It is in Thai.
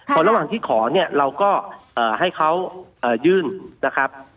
พอระหว่างที่ขอเนี่ยเราก็ให้เขายื่นนะครับ